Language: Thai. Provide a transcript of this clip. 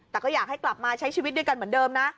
แต่ก็อยากให้กลับมาใช้ชีวิตด้วยกันเหมือนเดิมนะ